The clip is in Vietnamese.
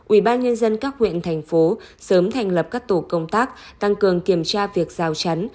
ubnd các huyện thành phố sớm thành lập các tổ công tác tăng cường kiểm tra việc rào chắn